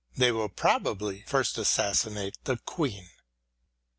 ... They will probably first assassinate the Queen.